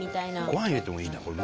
ご飯入れてもいいなこれ。